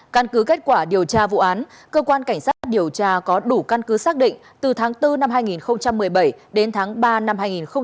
căn cứ kết quả điều tra vụ án cơ quan cảnh sát điều tra có đủ căn cứ xác định từ tháng bốn năm hai nghìn một mươi bảy đến tháng ba năm hai nghìn một mươi chín